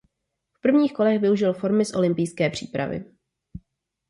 V prvních kolech využil formy z olympijské přípravy.